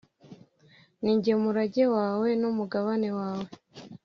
ni jye murage wawe n’umugabane wawe.